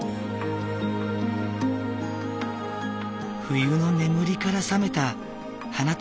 冬の眠りから覚めた花たち。